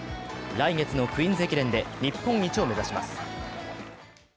来月のクイーンズ駅伝で日本一を目指します。